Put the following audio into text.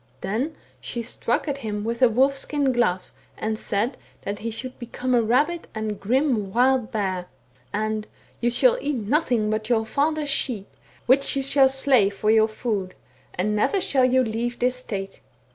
* Then she struck at him with a wolf skin glove, and said, that he should become a rabid and grim wild bear; and * You shall eat nothing but your father's sheep, which you shall slay for your food, and never shall you leave this state.'